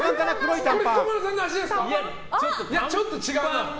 いや、ちょっと違うな。